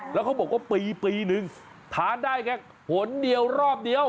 แล้วเขาบอกว่าปีนึงทานได้แค่ผลเดียวรอบเดียว